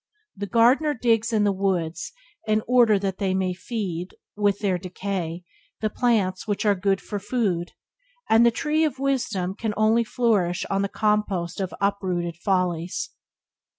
The gardener digs in the weeds in order that they may feed, with their decay, the plants which are good for food; and the Tree of Wisdom can only flourish on the compost of uprooted follies.